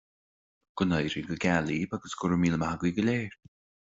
Go n-éirí go geal libh is go raibh míle maith agaibh go léir